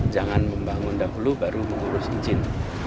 jangan membangun dahulu baru mengurus izin